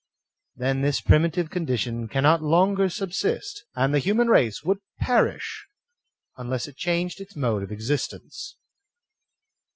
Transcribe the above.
Then this primitive condi tion cannot longer subsist, and the human race would perish unless it changed its mode of existence.